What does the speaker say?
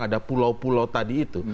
ada pulau pulau tadi itu